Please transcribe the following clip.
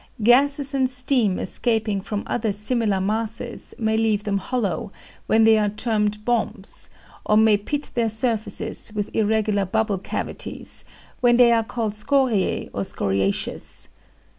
Gases and steam escaping from other similar masses may leave them hollow, when they are termed bombs, or may pit their surfaces with irregular bubble cavities, when they are called scoriae or scoriaceous.